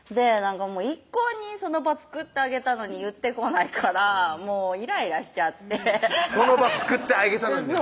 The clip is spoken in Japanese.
一向にその場作ってあげたのに言ってこないからもうイライラしちゃって「その場作ってあげたのに」